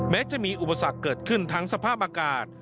แม้จะมีอุปสรรคเกิดขึ้นทั้งสภาพอากาศ